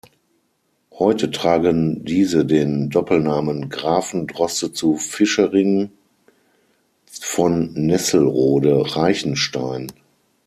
Heute tragen diese den Doppelnamen "Grafen Droste zu Vischering von Nesselrode Reichenstein".